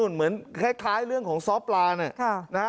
เหมือนคล้ายเรื่องของซ้อปลาเนี่ยนะฮะ